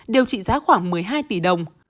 đều trị giá khoảng một mươi hai tỷ đồng